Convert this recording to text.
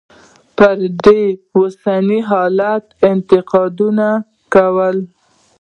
پر دې اوسني حالت انتقادونه کول.